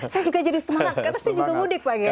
saya juga jadi semangat karena saya juga mudik pak ya